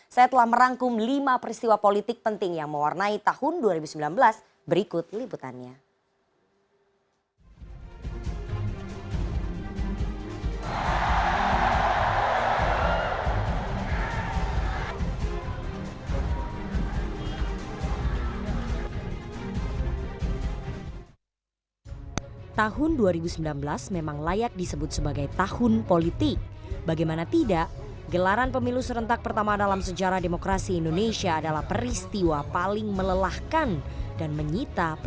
saya telah merangkum lima peristiwa politik penting yang mewarnai tahun dua ribu sembilan belas berikut liputannya